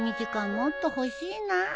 もっと欲しいな。